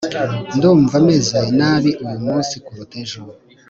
ndumva meze nabi uyu munsi kuruta ejo